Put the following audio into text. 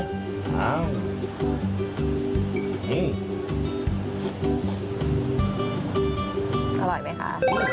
อร่อยไหมคะ